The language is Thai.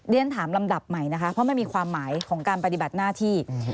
เรียนถามลำดับใหม่นะคะเพราะมันมีความหมายของการปฏิบัติหน้าที่